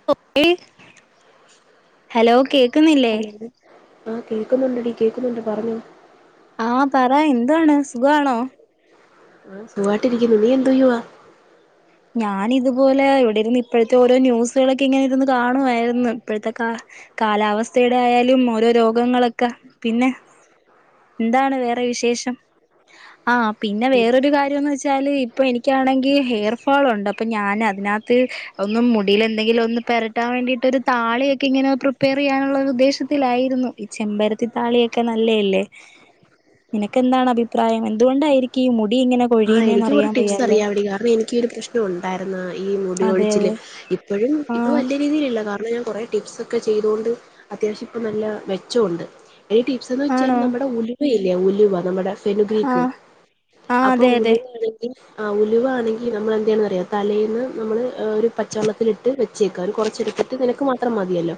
[unintelligible] Hello കേക്കുന്നില്ലേ hello ആഹ് കേക്കുന്നുണ്ടടീ കേക്കുന്നുണ്ട് പറഞ്ഞോ ആഹ് പറ എന്താണ് സുഖവാണോ? ആഹ് സുഖായ്ട്ടിരിക്കുന്നു നീ എന്തോ ചെയ്യുവാ ഞാൻ ഇതുപോലെ ഇവിടെ ഇരുന്ന് ഇപ്പഴത്തെ ഓരോ ന്യൂസുകളൊക്കെ ഇങ്ങനെ ഇരുന്ന് കാണുമായിരുന്നു ഇപ്പഴത്തെ കാ കാലാവസ്ഥയുടെ ആയാലും ഓരോ രോഗങ്ങളൊക്കെ പിന്നെ- എന്താണ് വേറെ വിശേഷം ആഹ് പിന്നെ വേറൊരു കാര്യംയെന്ന് വെച്ചാല് ഇപ്പൊ എനിക്കാണെങ്കി ഹെയർ ഇപ്പൊ അവളുണ്ട് അപ്പൊ ഞാൻ അതിനകത്ത് ഒന്നും മുടിയില് എന്തെങ്കിലും ഒന്ന് പെരട്ടാൻ വേണ്ടിയിട്ട് ഒരു താളിയൊക്കെ ഇങ്ങനെ- പ്രിപ്പേർ ഉദ്ദേശത്തിലായിരുന്നു ഈ ചെമ്പരത്തി താളിയൊക്കെ നല്ലയല്ലേ അ [inaudible] നിനക്ക് എന്താണ് അഭിപ്രായം എന്തുകൊണ്ടായിരിക്കും ഈ മുടി ഇങ്ങനെ- ആഹ് കൊഴിയുന്നേന്ന് എനിക്കും ഒരു അറിയാൻ ടിപ്സ് വയ്യാല്ലോ അറിയാവെടി കാരണം എനിക്ക് ഈ ഒരു പ്രശ്നം ഒണ്ടായിരുന്ന് ഈ അതെ മുടിയൊഴിച്ചില് അതെ ഇപ്പോഴും ഇപ്പൊ ആഹ് വലിയ രീതിയിലല്ല കാരണം ഞാൻ കുറെ ടിപ്സ് ഒക്കെ ചെയ്തുകൊണ്ട് അത്യാവശ്യം ഇപ്പ നല്ല മെച്ചം ഒണ്ട് എടി ടിപ്സ് എന്ന് വെച്ചാൽ ആണോ നമ്മുടെ ഉലുവയില്ലേ ഉലുവ നമ്മുടെ ഫെനുഗ്രീക്ക് ആഹ് ആഹ് ആ അതെ അതെ ഉലുവ അത് ആ ഉലുവാണെങ്കിൽ നമ്മൾ എന്ത്‌ ചെയ്യണം എന്നറിയാമോ തലേന്ന് നമ്മള് ഒരു പച്ചെള്ളത്തിൽ ഇട്ട്- ഇട്ട് വെച്ചേക്കുക ഒരു കൊറച്ചെടുത്തിട്ട് നിനക്ക് മാത്രം മതിയല്ലോ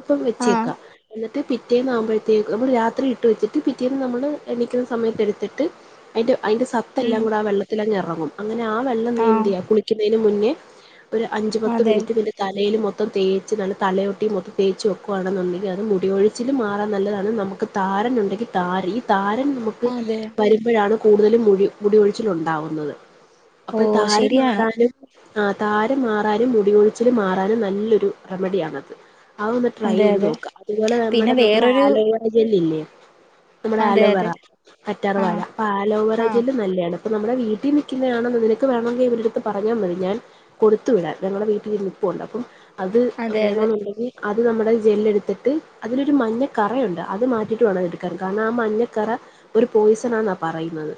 അപ്പം ആഹ് വെച്ചേക്കുക എന്നിട്ട് പിറ്റേന്ന് ആകുമ്പോഴത്തേക്കും നമ്മള് രാത്രി ഇട്ട് വെച്ചിട്ട് പിറ്റേന്ന് നമ്മള് എണിക്കുന്ന സമയത്തെ എടുത്തിട്ട്- അതിന്റെ അതിന്റെ സ- സത്ത് ഉം എല്ലാം കൂടെ ആ വെള്ളത്തിലങ്ങ് എറങ്ങും അങ്ങനെ ആ വെള്ളം നീ എന്ത്‌ ആഹ് ചെയ്ക കുളിക്കുന്നതിന് മുന്നേ- ഒരു അഞ്ച് പത്ത് അതെ മിനിറ്റ് വരെ - തലയിൽ മൊത്തം തേച്ച് നല്ല തലയോട്ടി മൊത്തം തേച്ച് വെക്കുകയാണെന്നുണ്ടെങ്കിൽ അത് മുടി കൊഴിച്ചിലും മാറാൻ നല്ലതാണ് നമുക്ക്- താരൻ ഒണ്ടെങ്കിൽ താരൻ ഈ താരൻ നമുക്ക്- ഈ അതെ വരുമ്പോഴാണ് കൂടുതലും മുടി മുടി കൊഴിച്ചിലുണ്ടാവുന്നത് ഓ അപ്പൊ ഈ താരൻ ശരിയാണ് മാറാനും- ആ താരൻ മാറാനും മുടികൊഴിച്ചില് മാറാനും നല്ലൊരു റെമഡിയാണത് അതൊന്ന് ട്രൈ അതെ ചെയ്ത് അതെ നോക്കാ. അതുപോലെ പിന്നെ നമ്മുടെ നമ്മുടെ വേറൊരു ആലോവേര ജെല്ല് ഇല്ലേ. നമ്മുടെ അതെ ആലോവെറ അതെ കറ്റാർ വാഴ ആഹ് അപ്പൊ ആലോവെറ ആഹ് നല്ലെയാണ്. ഇപ്പ നമ്മുടെ വീട്ടി നിക്ക്ന്നെയാണെന്ന് നിനക്ക് വേണങ്കി ഇവരടുത്ത് പറഞ്ഞാ മതി ഞാൻ കൊടുത്തു വിടാൻ. ഞങ്ങടെ വീട്ടി നിപ്പുണ്ട്. അപ്പം അത് അതെ അതെ വേണോന്നുണ്ടെങ്കി അത് നമ്മുടെ ജെല്ലെടുത്തിട്ട് അതിലൊരു മഞ്ഞക്കറയുണ്ട് അത് മാറ്റിയിട്ട് വേണം എടുക്കാൻ. കാരണം ആ മഞ്ഞക്കറ ഒരു പോയ്സണാന്നാ പറയുന്നത്.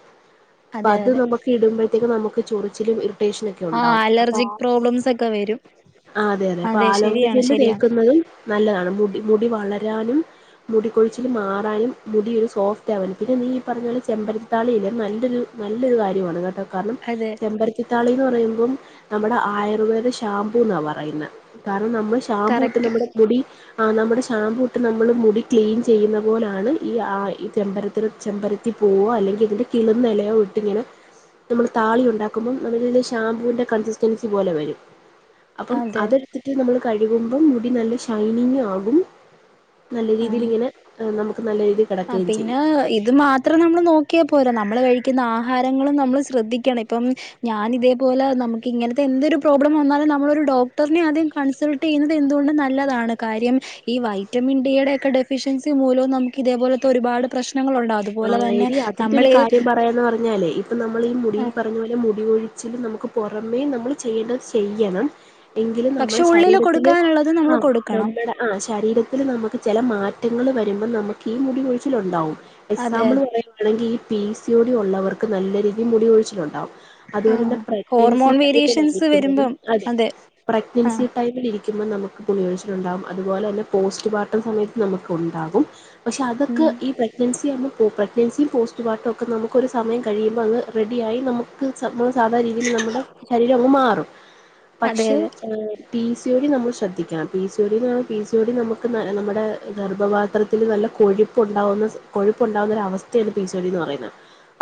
അപ്പൊ അതെ അത് അതെ നമുക്ക് ഇടുമ്പോഴത്തേക്കും നമുക്ക് ചൊറിച്ചിലും ഇറി റ്റേഷനൊക്കെ ആഹ് ഉണ്ടാവും. അപ്പ ആ അലർജിക് പ്രോബ്ലംസ് ഒക്കെ വരും ആഹ് അതെ അതെ. അപ്പൊ ആലോവേര ശരിയാണ് ജെല്ല് ശരിയാണ് തേക്കുന്നതും നല്ലതാണ് മുടി മുടി വളരാനും മുടി കൊഴിച്ചിൽ മാറാനും മുടി ഒരു സോഫ്റ്റ് ആവാനും. പിന്നെ നീ ഈ പറഞ്ഞ പോലെ ചെമ്പരത്താളിയില്ലെ. നല്ലൊരു നല്ലൊരു കാര്യമാണ് കേട്ടോ കാരണം അതെ. ചെമ്പരത്തിത്താളീന്ന് പറയുമ്പം നമ്മുടെ ആയുർവേദ ഷാമ്പൂ ന്നാ പറയുന്നെ. കാരണം നമ്മ് ഷാംമ്പൂ ഇട്ട് കറക്റ്റ് നമ്മുടെ മുടി ആഹ് നമ്മുടെ ഷാംമ്പൂ ഇട്ട് നമ്മൾ മുടി ക്ലീൻ ചെയ്യുന്ന പോലാണ് ഈ ആ ഈ ചെമ്പര ത്ര് ചെമ്പരത്തി പൂവോ അല്ലെങ്കി അതിന്റെ കി ഇന്നെലയോ ഇട്ട്ങ്ങനെ നമ്മൾ താളി ഉണ്ടാക്കുമ്പം നമ്മളെ കൈയ്‌ലെ ഷാംമ്പൂവിന്റെ കൺസിസ്റ്റൻസി പോലെ വരും. അപ്പം അതെ അതെടുത്തിട്ട് നമ്മൾ കഴുകുമ്പം മുടി നല്ല ഷൈനിങ് ആകും. നല്ല രീതിയില്ങ്ങനെ നമുക്ക് നല്ല രീതി ആഹ് പിന്നെ ഇത് മാ ത്രം നമ്മൾ നോക്കിയാ പോരാ. നമ്മൾ കഴിക്കുന്ന ആഹാരങ്ങളും നമ്മൾ ശ്രദ്ധിക്കണം. ഇപ്പം ഞാൻ ഇതേപോലെ നമക്ക് ഇങ്ങനത്തെ എന്തൊരു പ്രോബ്ലം വന്നാലും നമ്മളൊരു ഡോക്ടറിനെ ആദ്യം കൺസൾട്ട് ചെയ്യുന്നത് എന്തുകൊണ്ടും നല്ലതാണ് കാര്യം ഈ വൈറ്റമിൻ ഡിയുടെ ഒക്കെ ഡെഫിഷ്യൻസി മൂലവും നമുക് കിതേപോലത്തെ ഒരുപാട് പ്രശ്നങ്ങളുണ്ടാ ആഹ് എടീ അതിന്റെ ഒരു കാര്യം പറയാന്ന് പറഞ്ഞാലേ ഇപ്പം നമ്മളീ മുടി ഈ പറഞ്ഞ പോലെ മുടി കൊഴി ച്ചിൽല് നമുക്ക് പുറമേ നമ്മള് ചെയ്യേണ്ടത് ചെയ്യണം. എങ്കിലും പക്ഷെ നമ്മളെ ഉള്ളില് ശരീരത്തിന് കൊടുക്കാനുള്ളത് നമ്മൾ ആഹ് കൊടുക്കണം നമ്മടെ ആഹ് ശരീരത്തിൽ നമുക്ക് ചെല മാറ്റങ്ങൾ വരുമ്പം നമക്കീ മുടി കൊഴിച്ചില് ഉണ്ടാവും. അതെ എക്സാമ്പിൾ പറയുവാണെങ്കി ഈ P E C O T ഉള്ളവർക്ക് നല്ല രീതിയിൽ മുടി കൊഴിച്ചിലുണ്ടാവും. ആ അതുപോലെന്നെ പ്രഗ്നൻസി ഹോർമോൺ വേരിയേഷൻസ് ടൈമിലായിരിക്കുന്നതും വരുമ്പം അതെ ആ പ്രഗ്നൻസി ടൈമിൽ ഇരിക്കുമ്പം നമുക്ക് മുടി കൊഴിച്ചിലുണ്ടാവും. അതുപോലെ തന്നെ പോസ്റ്റ്പാർട്ടം സമയത്ത് നമുക്ക് ഉണ്ടാകും. പക്ഷെ അതൊക്കെ ഉം ഈ പ്രഗ്നൻസ് സിയാവുമ്പം പോവും. പെഗ്നൻസിയും പോസ്റ്റ്പാർട്ടൊക്കെ നമുക്ക് ഒരു സമയം കഴിയുമ്പങ്ങ് റെഡിയായി നമു ക്ക് സംഭവം സാധാ രീതിയിൽ നമ്മുടെ ശരീര അങ്ങ് മാറും. അതെ പക്ഷേ അതെ ഏഹ് പി സി ഒ ടി നമ്മൾ ശ്രദ്ധിക്കണം പി സി ഒ ടി ന്ന് പറഞ്ഞാൽ പി സി ടി നമുക്ക് ന നമ്മുടെ ഗർഭപാത്രത്തിൽ നല്ല കൊഴു പ്പുണ്ടാവുന്ന സ് കൊഴുപ്പുണ്ടാവുന്ന ഒരവസ്ഥയാണ് പി സി ഒ ടി ന്ന് പറയുന്നെ.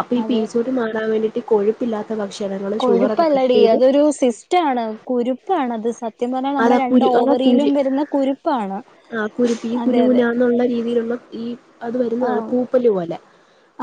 അപ്പ ഈ അതെ പീ സി ഒ ടി മാറാൻ വേണ്ടിയിട്ട് കൊഴുപ്പില്ലാ ത്ത ഭക്ഷണങ്ങള് കൊഴുപ്പല്ലടീ അതൊരു സിസ്റ്റാണ് കുരുപ്പാണത് സ ത്യം പറഞ്ഞാ അതാ നമ്മുടെ രണ്ട് കുരു അതാ ഓവറിയിലും കുരു വരുന്ന കുരുപ്പാണ്. ആ കുരുപ്പ് ഈ അതെ അതെ. കുനുകുനാന്നുള്ള രീതിയിലുള്ള ഈ അത് വരുന്നതാണ് ആഹ് പൂപ്പല് പോലെ.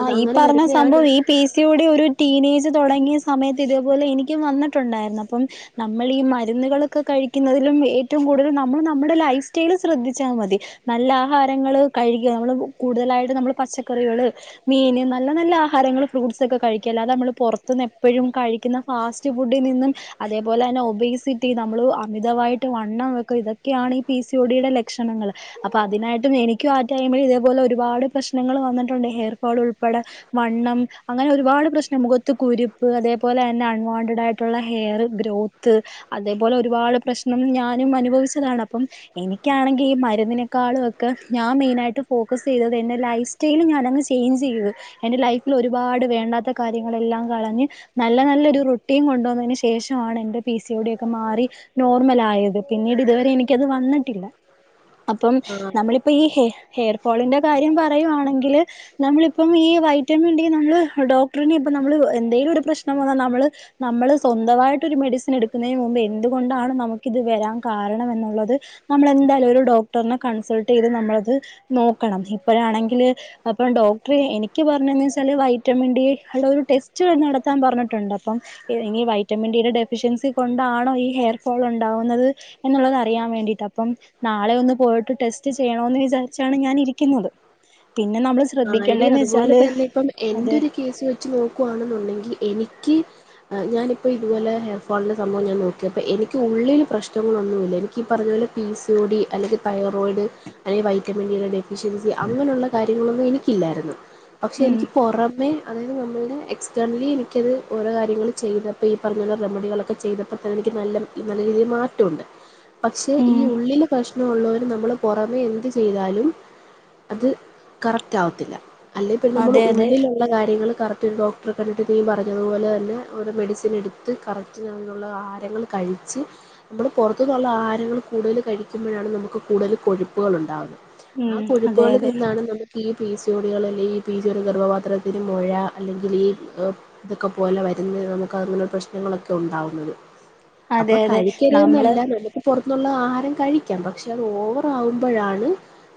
അത് ആഹ് ഈ അങ്ങനെ പറഞ്ഞ വരുന്നതാണ് സംഭവം ഈ പീ സ് സി ഒ ടി കൂടി ഒരു ടീനേജ് തുടങ്ങിയ സമയത്ത് ഇതേപോലെ എനിക്കും വന്നിട്ടുണ്ടായിരുന്നു. അപ്പം നമ്മൾ ഈ മരുന്നുകളൊക്കെ കഴിക്കുന്നതിലും ഏറ്റവും കൂടുതൽ നമ്മൾ നമ്മടെ ലൈഫ് സ്റ്റൈല് ശ്രദ്ധിച്ചാ മതി. നല്ലാഹാരങ്ങള് കഴിക്ക്യ നമ്മള് കൂടുതലായിട്ട് നമ്മള് പച്ചക്കറികള്. മീന് നല്ല നല്ല ആഹാരങ്ങൾ ഫ്രൂട്ട്സൊക്കെ കഴിക്കല് അത് നമ്മള് പൊറത്ത്ന്ന് എപ്പഴും കഴിക്കുന്ന ഫാസ്റ്റ് ഫുഡി നിന്നും അതേപോലെ തന്നെ ഒബേസിറ്റി നമ്മള് അമിതമായിട്ട് വണ്ണം വെക്കും ഇതൊക്കെയാണ് ഈ പി സി ഒഡിയുടെ ലക്ഷണങ്ങള് അപ്പൊ അതിനായിട്ടും എനിക്കും ആ ടൈമിൽ ഇതേപോലെ ഒരുപാട് പ്രശ്നങ്ങൾ വന്നിട്ടുണ്ട് ഹെയർ ഫോൾ ഉൾപ്പെടെ വണ്ണം അങ്ങനെ ഒരുപാട് പ്രശ്നം മുഖത്ത് കുരുപ്പ് അതേപോലെ തന്നെ അൺവാണ്ടഡ് ആയിട്ട് ട്ടൊള്ള ഹെയറ് ഗ്രോത്ത് അതേപോലെ ഒരുപാട് പ്രശ്നം ഞാനും അനുഭവിച്ചതാണ് അപ്പം എനിക്കാണെങ്കി ഈ മരുന്നിനെക്കാളും ഒക്കെ ഞാൻ മെയിനായിട്ട് ഫോക്കസ് ചെയ്തത് എൻ്റെ ലൈഫ് സ്റ്റൈല് ഞാനങ്ങ് ചെയ് ചേയ്ഞ്ച് ചെയ്തു എൻ്റെ ലൈഫില് ഒരുപാട് വേണ്ടാത്ത കാര്യങ്ങളെല്ലാം കളഞ്ഞ് നല്ല നല്ലൊരു റൊട്ടീൻ കൊണ്ടുവന്നേന് ശേഷാണ് എൻ്റെ പി സിയോടി ഒക്കെ മാറി നോർമൽ ആയത് പിന്നീട് ഇതുവരെ എനിക്കത് വന്നിട്ടില്ലാ അപ്പം ആ നമ്മളിപ്പോ ഈ ഹെ ഹെയർ ഫോളിന്റെ കാര്യം പറയുവാണെങ്കില് നമ്മളിപ്പം ഈ വൈറ്റമിൻ ഡി നമ്മള് ഡോക്ടറിനെ ഇപ്പം നമ്മള് എന്തെലും ഒരു പ്രശ്നം വന്നാ നമ്മള് നമ്മള് സ്വന്തവായിട്ട് ഒരു മെഡിസിൻ എടുക്കുന്നേന് മുമ്പ് എന്തുകൊണ്ടാണ് നമുക്ക് ഇത് വെരാൻ കാരണം എന്നുള്ളത് നമ്മൾ എന്തായാലും ഒരു ഡോക്ടറിനെ കൺസൾട്ട് ചെയ്ത് നമ്മളത് നോക്കണം ഇപ്പഴാണെങ്കില് അ അപ്പം ഡോക്ടറ് എനിക്ക് പറഞ്ഞേന്ന് വെച്ചാല് വൈറ്റമിൻ ഡി ഉള്ള ഒരു ടെസ്റ്റ് നടത്താൻ പറഞ്ഞിട്ടുണ്ട് അപ്പം ഈ ഇനി വൈറ്റമിൻ ഡിയുടെ ഡെഫിഷ്യൻസി കൊണ്ടാണോ ഈ ഹെയർ ഫോൾ ഉണ്ടാവുന്നത് എന്നുള്ളത് അറിയാൻ വേണ്ടിയിട്ട് അപ്പം നാളെ ഒന്ന് പോയിട്ട് ടെസ്റ്റ് ചെയ്യണോന്ന് വിചാരിച്ചാണ് ഞാൻ ഇരിക്കുന്നത് പിന്നെ നമ്മള് ആഹ് എടി ശ്രദ്ധിക്കേണ്ടേന്ന് അതുപോലെ വെച്ചാല് തന്നെ ഇപ്പം എന്റെ അതെ ഒരു കേസ് വെച്ച് നോക്കുവാണെന്നുണ്ടെങ്കി എനിക്ക് ആഹ് ഞാനിപ്പോ ഇതുപോലെ ഹെയർ ഫോളിന്റെ സംഭവം ഞാൻ നോക്കിയപ്പോ എനിക്ക് ഉള്ളില് പ്രശ്നങ്ങളൊന്നുവില്ലാ എനി ഈ പറഞ്ഞ പോലെ പി സി ഒ ഡി അല്ലെങ്കിൽ തൈറോയിഡ് അല്ലെങ്കി വൈറ്റമിൻ ഡിയുടെ ഡെ ഡെവിഷ്യൻസി അങ്ങനൊള്ള കാര്യങ്ങളൊന്നും എനിക്കില്ലായിരുന്നു പക്ഷെ ഉം എനിക്ക് പൊറമെ അതായത് നമ്മൾടെ എക്സ്റ്റേർണലി എനിക്കത് ഓരോ കാര്യങ്ങള് ചെയ്തപ്പോ ഈ പറഞ്ഞ പോലെ റെമഡികളൊക്കെ ചെയ്തപ്പോ തന്നെ എനിക്ക് നല്ല നല്ല രീതി മാറ്റവൊണ്ട് പക്ഷെ ഈ ഉം ഉള്ളില് പ്രശ്നം ഒള്ളോര് നമ്മള് പൊറമെ എന്ത് ചെയ്താലും അത് കറക്റ്റാവത്തില്ലാ അല്ലെ പിന്നെ നമ്മള് അതെ അതെ ഉള്ളിലൊ ഇള്ള കാര്യങ്ങള് കറക്റ്റ് ഒരു ഡോക്ടറെ കണ്ടിട്ട് നീ പറഞ്ഞതുപോലെ തന്നെ ഒരു മെഡിസിൻ എടുത്ത് കറക്റ്റ് [unintelligible] ആഹാരങ്ങള് കഴിച്ച് നമ്മള് പൊറത്തൂന്നുള്ള ആഹാരങ്ങള് കൂടുതൽ കഴിക്കുമ്പഴാണ് നമ്മക്ക് കൂടല് കൊഴുപ്പുകൾ ഉണ്ടാവുന്നെ ഉം ആഹ് അതെ കൊഴുപ്പുകളി അതെ നിന്നാണ് നമ്മുക് ഈ പീസിയോടികൾ അല്ലെ ഈ പീ സിയോടി ഗർഭപാത്രത്തിന് മൊഴ അല്ലെങ്കിൽ ഈ ഏപ് ഇതൊക്കെ പോലെ വരുന്ന നമുക്ക് അങ്ങനെ പ്രശ്നങ്ങളൊക്കെ ഒണ്ടാവുന്നത് അതെ അപ്പം അതെ കഴിക്കര്ത് നമ്മള് ന്നല്ലാ നമ്മക്ക് പൊറത്തുന്നൊള്ള ആഹാരം കഴിക്കാം പക്ഷെ അത് ഓവറാകുമ്പഴാണ്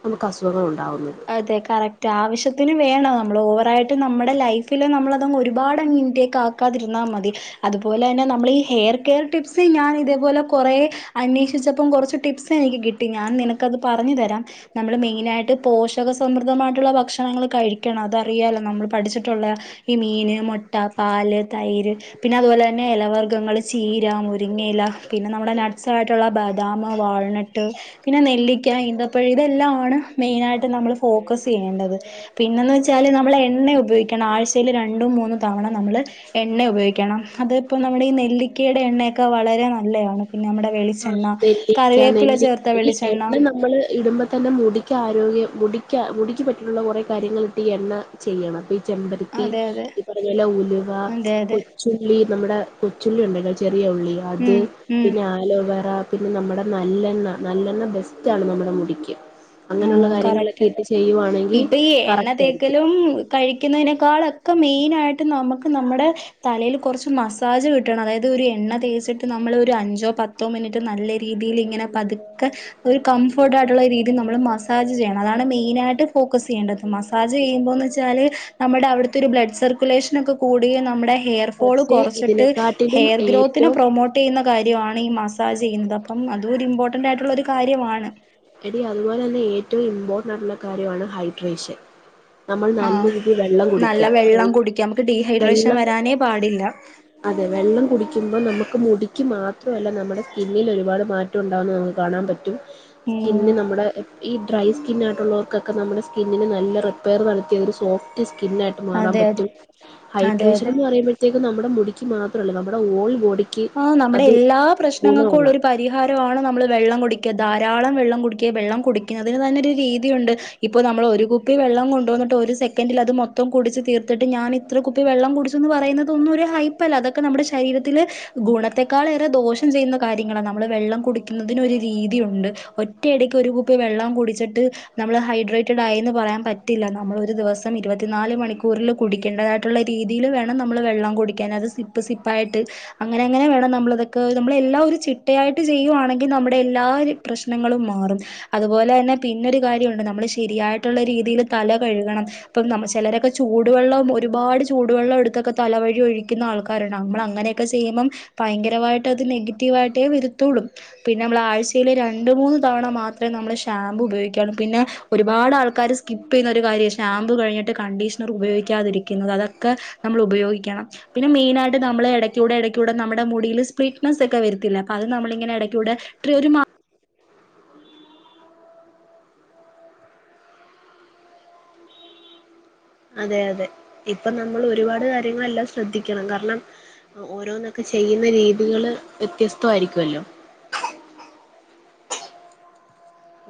നമ്മക്ക് അസുഖങ്ങൾ ഉണ്ടാവുന്നത് അതെ കറക്റ്റ് ആവശ്യത്തിന് വേണം നമ്മൾ ഓവറായിട്ട് നമ്മടെ ലൈഫിൽ നമ്മളതങ്ങ് ഒരുപാടങ്ങ് ഇൻടേക്ക് ആ ക്കാതിരുന്നാ മതി അതുപോലെ തന്നെ നമ്മൾ ഈ ഹെയർ കെയർ ടിപ്സി ഞാൻ ഇതേപോലെ കൊറേ അന്വേഷിച്ചപ്പം കൊറച്ച് ടിപ്സ് എനിക്ക് കിട്ടി ഞാൻ നിനക്കത് പറഞ്ഞു തരാം നമ്മള് മെയിനായിട്ട് പോഷ് ക്ഷക സമൃദ്ധമായിട്ടുള്ള ഭക്ഷണങ്ങള് കഴിക്കണം അതറിയാല്ലോ നമ്മള് പഠിച്ചിട്ടൊള്ളയാ ഈ മീന്, മൊട്ട, പാല്, തൈര് പിന്നെ അതുപോലെ തന്നെ എലവർഗ്ഗങ്ങള് ചീര മുരിങ്ങയില പിന്നെ നമ്മടെ നട്സായിട്ടൊള്ള ബ ബദാമ് വാൾനട്ട് പിന്നെ നെല്ലിക്ക ഇന്തപ്പഴം ഇതെല്ലാണ് മെയിനായിട്ട് ട്ട് നമ്മള് ഫോക്കസ് ചെയ്യേണ്ടത് പിന്നേന്ന് വെച്ചാല് നമ്മള് എണ്ണ ഉപയോഗിക്കണം ആഴ്ച്ചയില് രണ്ടും മൂന്നും തവണ നമ്മള് എണ്ണ ഉപയോഗിക്കണം അതിപ്പോ നമ്മടെ ഈ നെല്ലിക്കേടെ എണ്ണയൊക്കെ വളരെ നല്ലതാണ് പിന്നെ നമ്മടെ വെളി ആഹ് നെല്ലിക്കാ നെല്ലി ഈ വെളിച്ചെണ്ണ എണ്ണ നമ്മള് ഇടുമ്പോ തന്നെ മുടി ആരോഗ്യം മുടിക്കാ മുടിക്ക് പറ്റിയിട്ടുള്ള കുറേ കാര്യങ്ങൾട്ട് എണ്ണ ചെയ്യണം അപ്പൊ ചെമ്പരത്തി അതെ അതെ ഈ പറഞ്ഞ പോലെ ഉലുവ അതെ അതെ കൊച്ചുള്ളി നമ്മുടെ കൊച്ചുള്ളി ഉണ്ടെല്ലോ ചെറിയ ഉള്ളി അത് ഉം ഉം പിന്നെ ആലോവേറ പിന്നെ നമ്മുടെ നല്ലെണ്ണ നല്ലെണ്ണ ബെസ്റ്റ് ആണ് നമ്മുടെ മുടിക്ക് അങ്ങനെയുള്ള ആഹ് കറക്റ്റ് കാര്യങ്ങളൊക്കെ ഇട്ട് ചെയ്യുവാണെങ്കിൽ ഇപ്പൊ ഈ എണ്ണ കറക്റ്റ് ആയിരിക്കും തേക്കലും കഴിക്കുന്നതിനേക്കാളൊക്കെ മെയിനായിട്ട് നമുക്ക് നമ്മുടെ തലയിൽ കുറച്ച് മസ് സാജ് കിട്ടണം അതായത് ഒരു എണ്ണ തേച്ചിട്ട് നമ്മൾ ഒരു അഞ്ചോ പത്തോ മിനിറ്റ് നല്ല രീതിയിൽ ഇങ്ങനെ പതുക്കെ ഒരു കംഫർട്ട് ആയിട്ടുള്ള രീതിയിൽ നമ്മൾ മസാജ് ചെയ്യണം അതാണ് മെയിനായിട്ട് ഫോക്കസ് ചെയ്യേണ്ടത് മസാജ് ചെയ്യുമ്പോന്നച്ചാൽ നമ്മുടെ അവിടുത്തെ ഒരു ബ്ലഡ് സർക്കുലേഷനൊക്കെ കൂടി നമ്മുടെ ഹെയർ ഫാള് പക്ഷെ കുറച്ചിട്ട് ഇതിനെക്കാട്ടിലും ഹെയർ ഗ്രോത്തിനെ ഏറ്റവും പ്രൊമോട്ട് ചെയ്യുന്ന കാര്യമാണ് ഈ മസാജ് ചെയ്യുന്നത് അപ്പം അതും ഒരു ഇമ്പോർട്ടന്റ് ആയിട്ടുള്ള ഒരു കാര്യമാണ് എടി അതുപോലെ തന്നെ ഏറ്റവും ഇമ്പോർട്ടന്റ് ആയിട്ടുള്ള കാര്യമാണ് ഹൈഡ്രേഷൻ നമ്മൾ നല്ല ആഹ് രീതിയിൽ വെള്ളം നല്ല കുടിക്കുക വെള്ളം കുടിക്കാം നമുക്ക് ഡീഹൈഡ്രേഷൻ വെള്ളം വരാനേ പാടില്ല അതെ വെള്ളം കുടിക്കുമ്പോൾ നമുക്ക് മുടിക്ക് മാത്രല്ല നമ്മുടെ സ്കിന്നിൽ ഒരുപാട് മാറ്റം ഉണ്ടാവുന്ന നമുക്ക് കാണാൻ പറ്റും ഉം സ്കിന്ന് നമ്മുടെ ഈ ഡ്രൈ സ്കിന്നായിട്ടുള്ളർക്കൊക്കെ നമ്മുടെ സ്കിന്നിന് നല്ല റിപ്പയർ നടത്തിയതൊരു സോഫ്റ്റ്സ്കിന്നായിട്ട് മാറാൻ അതെ അതെ പറ്റും അതെ അതെ ഹൈഡ്രേഷൻന്ന് പറയുമ്പോഴത്തേക്ക് നമ്മുടെ മുടിക്ക് മാത്രല്ല നമ്മുടെ ഓൾ ബോഡി ആഹ് നമ്മുടെ എല്ലാ പ്രശ്നങ്ങൾക്കും ഉള്ള ഒരു പ പരിഹാരമാണ് നമ്മൾ വെള്ളം കുടിക്കുക ധാരാളം വെള്ളം കുടിക്കുക വെള്ളം കുടിക്കുന്നതിന് തന്നെ ഒരു രീതിയുണ്ട് ഇപ്പൊ നമ്മൾ ഒരു കുപ്പി വെള്ളം കൊണ്ട് വന്നിട്ട് ഒരു സെക്കൻഡിൽ അത് മൊത്തം കുടിച്ച് തീർത്തിട്ട് ഞാന് ഇത്ര കുപ്പി വെള്ളം കുടിച്ചുന്ന് പറയുന്നത് ഒന്നും ഒരു ഹൈപ്പല്ല അതൊക്കെ നമ്മുടെ ശരീരത്തില് ഗുണത്തെക്കാളേറെ ദോഷം ചെയ്യുന്ന കാര്യങ്ങളാണ് നമ്മൾ വെള്ളം കുടിക്കുന്നതിനൊരു രീതിയുണ്ട് ഒറ്റയടിക്ക് ഒരു കുപ്പി വെള്ളം കുടിച്ചിട്ട് നമ്മള് ഹൈഡ്രേറ്റഡ് ആയി എന്ന് പറയാൻ പറ്റില്ല നമ്മൾ ഒരു ദിവസം ഇരുപത്തിനാല് മണിക്കൂറിൽ കുടിക്കേണ്ടതായിട്ട് ഉള്ള രീതില് വേണം നമ്മള് വെള്ളം കുടിക്കാൻ അത് സിപ്പ് സിപ്പായിട്ട് അങ്ങനെ അങ്ങനെ വേണം നമ്മളതൊക്കെ നമ്മള് എല്ലാം ഒരു ചിട്ടയായിട്ട് ചെയ്യുവാണെങ്കിൽ നമ്മുടെ എല്ലാപ്രശ്ന ങ്ങളും മാറും അതുപോലെ തന്നെ പിന്നൊരു കാര്യണ്ട് നമ്മള് ശരിയായിട്ടുള്ള രീതിയിൽ തല കഴുകണം ഇപ്പം നമ്മ ചിലരൊക്കെ ചൂടുവെള്ളം ഒരുപാട് ചൂടുവെള്ളം എടുത്തൊക്കെ തലവഴി ഒഴിക്കുന്ന ആൾക്കാരുണ്ട് നമ്മൾ അങ്ങനെെ ക്കെ ചെയ്യുമ്പോ ഭയങ്കരമായിട്ട് അത് നെഗറ്റീവായിട്ടേ വരുത്തുള്ളൂ പിന്നെ നമ്മള് ആഴ്ചയില് രണ്ട് മൂന്ന് തവണ മാത്രമേ നമ്മള് ഷാമ്പൂ ഉപയോഗിക്കാവൂ പിന്നെ ഒരുപാട് ആൾക്കാര് സ്കിപ്പ് ചെയ്യുന്നൊരു കാര്യമാണ് ഷാമ്പ് കഴിഞ്ഞിട്ട് കണ്ടീഷണർ ഉപയോഗിക്കാതിരിക്കുന്നത് അതൊക്കെ നമ്മൾ ഉപയോഗിക്കണം പിന്നെ മെയിനായിട്ട് നമ്മള് ക്കുടെ എടേക്കൂടെ നമ്മുടെ മുടില് സ്പ്ലീറ്റനെസ് ഒക്കെ വരത്തില്ലെ അപ്പോ അത് നമ്മളിങ്ങനെ എടാകൂടെ ട്രി അതെ അതെ ഇപ്പൊ നമ്മള് ഒരുപാട് കാര്യങ്ങളെല്ലാം ശ്രദ്ധിക്കണം കാരണം ഓരോന്നൊക്കെ ചെയ്യുന്ന രീതികള് വ്യത്യസ്ഥായിരിക്കുല്ലോ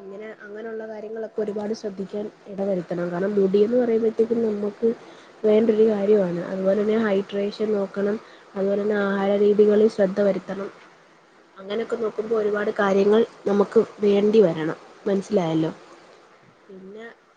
ഇങ്ങനെ അങ്ങനെയുള്ളള്ള കാര്യ കാര്യങ്ങളൊക്കെ ഒരുപാട് ശ്രദ്ധിക്കാൻ ഇടവരുത്തണം കാരണം മുടിയന്ന് പറയുമ്പോഴത്തേക്കും നമുക്ക് വേണ്ടൊരു കാര്യമാണ് അതുപോലെ തന്നെ ഹൈഡ്രേഷൻ നോക്കണം അതുപോലെ തന്നെ ആഹാര രീതികളിൽ ശ്രദ്ധ വരുത്തണം അങ്ങനൊക്കെ നോക്കുമ്പോൾ ഒരുപാട് കാര്യങ്ങൾ നമുക്ക് വേണ്ടി വരണം മനസ്സിലായല്ലോ പിന്നെ